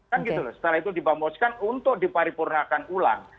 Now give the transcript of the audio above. kan gitu loh setelah itu dibamuskan untuk diparipurnakan ulang